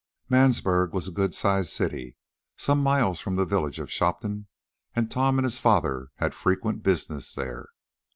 Mansburg was a good sized city some miles from the village of Shopton, and Tom and his father had frequent business there.